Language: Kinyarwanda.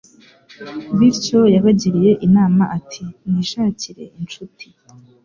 Bityo yabagiriye inama ati 'mwishakire incuti